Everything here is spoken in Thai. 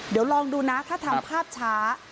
เดี๋ยวลองดูนะถ้าทำภาพช้า